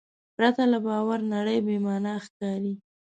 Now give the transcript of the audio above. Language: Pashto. پرته له باور نړۍ بېمانا ښکاري.